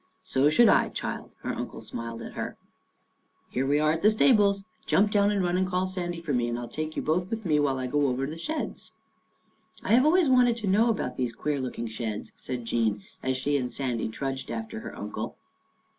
" So should I, child," her uncle smiled at her. 11 Here we are at the stables. Jump down and run and call Sandy for me and I'll take you both with me while I go over the sheds." " I've always wanted to know about these queer looking sheds," said Jean as she and Sandy trudged after her uncle.